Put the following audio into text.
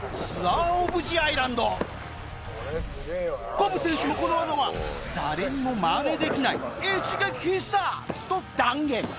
コブ選手もこの技は「誰にもマネできない一撃必殺！」と断言